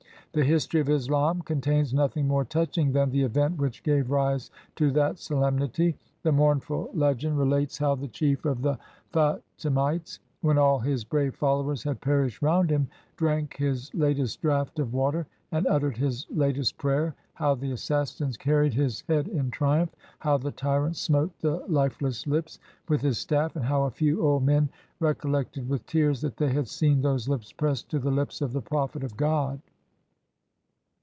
The history of Islam con tains nothing more touching than the event which gave rise to that solemnity. The mournful legend relates how 154 HOW ROBERT CLIVE DEFENDED ARGOT the chief of the Falimitcs, when all his brave followers had perished round him, drank his latest draught of water, and uttered his latest prayer, how the assassins carried his head in triumph, how the tyrant smote the lifeless lips with his stall, and how a few old men recol lected with tears that they had seen those lips pressed to the lips of the Prophet of God.